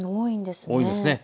多いですね。